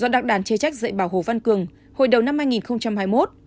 do đặc đàn chê trách dạy bảo hồ văn cường hồi đầu năm hai nghìn hai mươi một